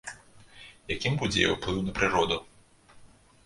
Якім будзе яе ўплыў на прыроду?